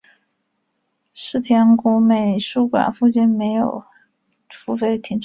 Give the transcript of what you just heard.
世田谷美术馆附近设有付费停车场。